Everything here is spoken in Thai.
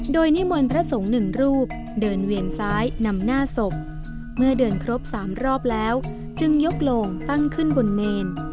โดยนิมนต์พระสงฆ์หนึ่งรูปเดินเวียนซ้ายนำหน้าศพเมื่อเดินครบ๓รอบแล้วจึงยกโลงตั้งขึ้นบนเมน